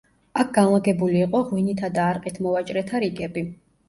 აქ განლაგებული იყო ღვინითა და არყით მოვაჭრეთა რიგები.